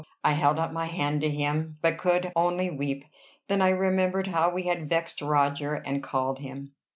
I held out my hand to him, but could only weep. Then I remembered how we had vexed Roger, and called him.